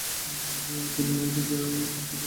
তিনি নিজে পারফেকশনিস্ট ছিলেন।